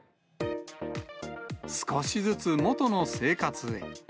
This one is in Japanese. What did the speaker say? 少しずつ元の生活へ。